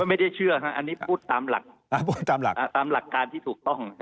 ไม่ได้เชื่ออันนี้พูดตามหลักตามหลักการที่ถูกต้อง